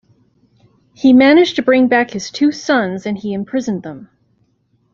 He managed to bring back his two sons and he imprisoned them.